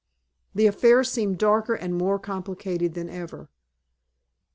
The affair seemed darker and more complicated than ever.